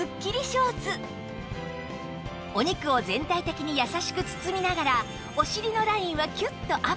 お肉を全体的に優しく包みながらお尻のラインはキュッとアップ